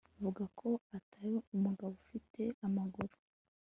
vuga ko atari umugabo ufite amaguru